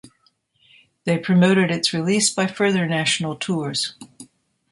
They promoted its release by further national tours.